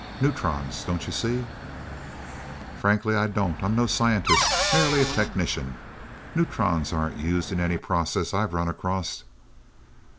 "Neutrons don't you see?" "Frankly, I don't. I'm no scientist merely a technician. Neutrons aren't used in any process I've run across."